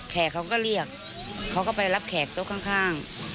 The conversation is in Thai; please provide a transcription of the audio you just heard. เขาก็เรียกเขาก็ไปรับแขกโต๊ะข้าง